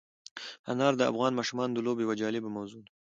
انار د افغان ماشومانو د لوبو یوه جالبه موضوع ده.